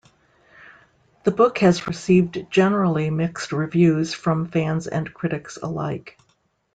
The book has received generally mixed reviews from fans and critics alike.